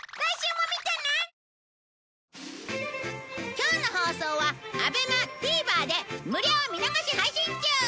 今日の放送はＡＢＥＭＡＴＶｅｒで無料見逃し配信中！